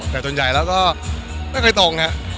แต่ตอนใหญ่แล้วก็ไม่เคยตรงนะ